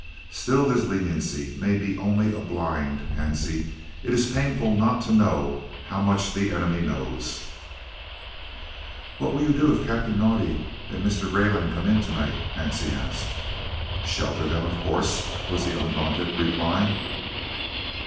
"Still this leniency may be only a blind, Hansie. It is painful not to know how much the enemy knows." "What will you do if Captain Naudé and Mr. Greyling come in to night?" Hansie asked. "Shelter them, of course!" was the undaunted reply.